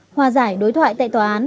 hòa giải đối thoại tại tòa án